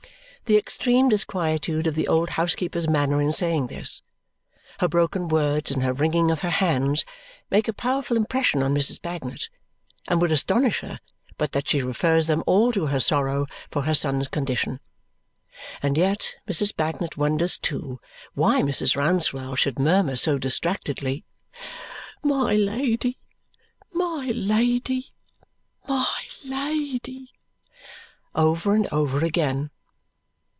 The extreme disquietude of the old housekeeper's manner in saying this, her broken words, and her wringing of her hands make a powerful impression on Mrs. Bagnet and would astonish her but that she refers them all to her sorrow for her son's condition. And yet Mrs. Bagnet wonders too why Mrs. Rouncewell should murmur so distractedly, "My Lady, my Lady, my Lady!" over and over again.